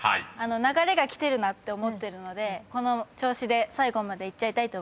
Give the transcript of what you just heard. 流れが来てるなって思ってるのでこの調子で最後までいきたいと思います。